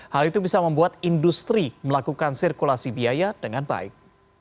hal itu bisa membuat industri melakukan sirkulasi biaya dengan baik